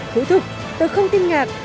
thủ thục tôi không tin ngạc